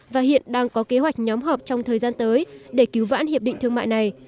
và hiện đang có kế hoạch nhóm họp trong thời gian tới để cứu vãn hiệp định thương mại này